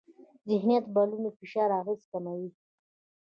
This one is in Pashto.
ذهنیت بدلون د فشار اغېزې کموي.